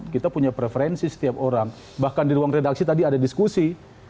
kita punya preferensi setiap orang bahkan di ruang redaksi tadi ada diskusi